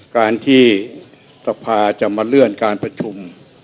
การที่สภาจะมาเลื่อนการประชุม